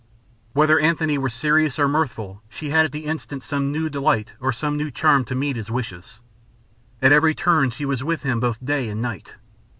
Whether Antony were serious or mirthful, she had at the instant some new delight or some new charm to meet his wishes. At every turn she was with him both day and night.